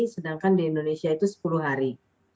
sedangkan di indonesia itu sepuluh hari